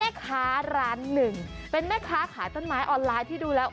แม่ค้าร้านหนึ่งเป็นแม่ค้าขายต้นไม้ออนไลน์ที่ดูแล้ว